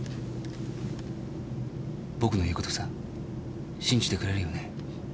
僕の言うことさ信じてくれるよね？